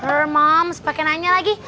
her mom sepakai nanya lagi